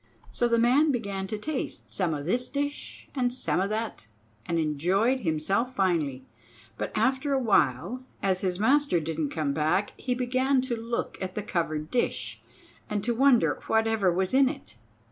So the man began to taste some o' this dish and some o' that, and enjoyed himself finely. But after a while, as his master didn't come back, he began to look at the covered dish, and to wonder whatever was in it.